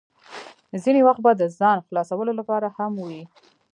ځینې وخت به د ځان خلاصولو لپاره هم وې.